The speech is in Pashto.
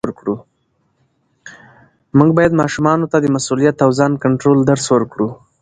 موږ باید ماشومانو ته د مسؤلیت او ځان کنټرول درس ورکړو